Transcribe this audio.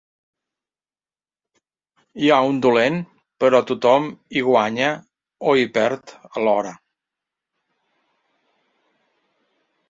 Hi ha un dolent però tothom hi guanya o hi perd alhora.